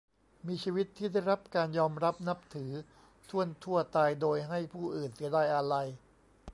มีชีวิตที่ได้รับการยอมรับนับถือถ้วนทั่ว ตายโดยให้ผู้อื่นเสียดายอาลัย